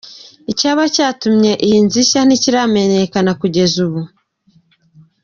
Icyaba yatumye iyi nzu ishya ntikiramenyekana kugeza ubu.